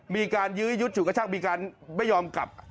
มีการยื้อยุดฉุดกระชักมีการไม่ยอมกลับ